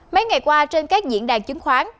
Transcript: mấy ngày qua trên các diễn đàn chứng khoán